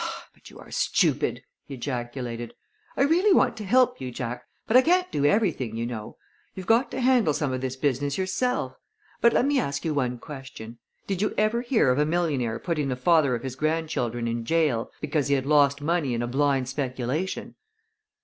"My, but you are stupid!" he ejaculated. "I really want to help you, Jack, but I can't do everything, you know. You've got to handle some of this business yourself. But let me ask you one question: Did you ever hear of a millionaire putting the father of his grandchildren in jail because he had lost money in a blind speculation?"